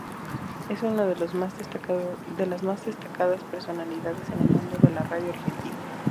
Es una de las más destacadas personalidades en el mundo de la Radio Argentina.